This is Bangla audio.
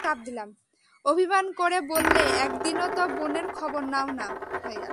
অভিমান করে বললে, একদিনও তো বোনের খবর নাও না।